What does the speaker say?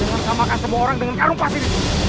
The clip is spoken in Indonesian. jangan samakan semua orang dengan karung pasir itu